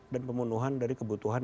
dan pembunuhan dari kebutuhan